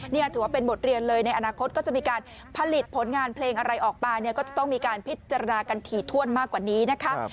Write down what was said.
นี่ถือว่าเป็นบทเรียนเลยในอนาคตก็จะมีการผลิตผลงานเพลงอะไรออกมาเนี่ยก็จะต้องมีการพิจารณากันถี่ถ้วนมากกว่านี้นะคะ